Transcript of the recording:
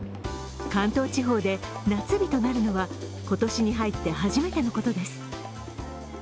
関東地方で夏日となるのは、今年に入って初めてのことです。